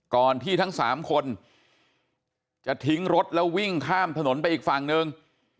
ก่อนที่ทั้ง๓คนจะทิ้งรถแล้ววิ่งข้ามถนนไปอีกฝั่งหนึ่ง